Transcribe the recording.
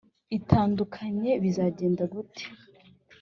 itandukanye bizagenda gute?